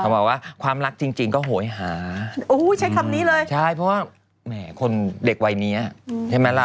พี่มากก็ต้องมีแม่นนะ